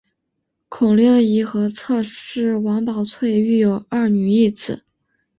孔令贻和侧室王宝翠育有二女一子。